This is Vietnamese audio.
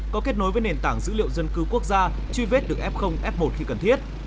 có kết nối với nền tảng dữ liệu dân cư quốc gia truy vết được f f một khi cần thiết